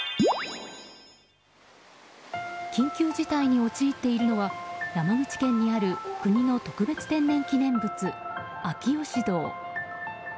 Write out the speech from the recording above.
緊急事態に陥っているのは山口県にある国の特別天然記念物、秋芳洞。